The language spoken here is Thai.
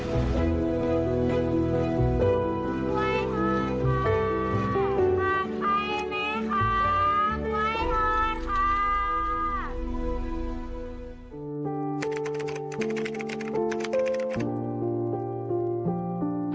ทุกวันนี้ของผม